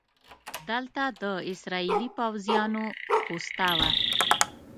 دلته د اسرائیلي پوځیانو پوسته وه.